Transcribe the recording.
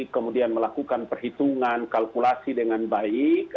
kemudian melakukan perhitungan kalkulasi dengan baik